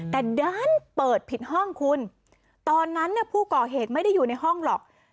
แต่ด้านเปิดผิดห้องคุณตอนนั้นเนี่ยผู้ก่อเหตุไม่ได้อยู่ในห้องหรอก